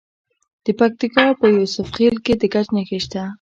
د پکتیکا په یوسف خیل کې د ګچ نښې شته.